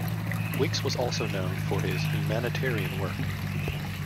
Wicks was also known for his humanitarian work.